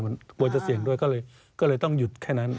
กลัวจะเสี่ยงด้วยก็เลยต้องหยุดแค่นั้น